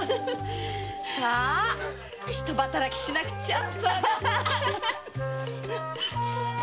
さぁ一働きしなくっちゃ。